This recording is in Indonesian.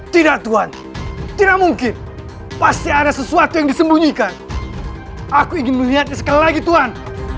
tidak tuan tidak mungkin pasti ada sesuatu yang disembunyikan aku ingin melihatnya sekali lagi tuan